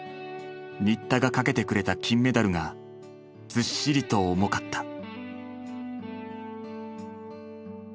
新田がかけてくれた金メダルがずっしりと重かった。